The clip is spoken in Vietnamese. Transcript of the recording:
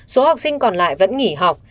số học sinh còn lại vẫn nghỉ học